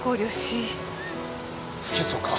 不起訴か？